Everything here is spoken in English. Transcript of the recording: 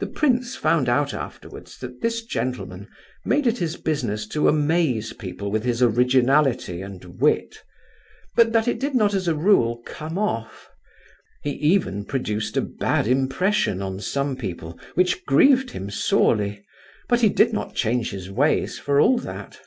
The prince found out afterwards that this gentleman made it his business to amaze people with his originality and wit, but that it did not as a rule "come off." He even produced a bad impression on some people, which grieved him sorely; but he did not change his ways for all that.